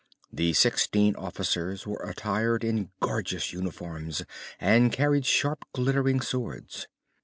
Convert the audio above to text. The sixteen officers were attired in gorgeous uniforms and carried sharp, glittering swords.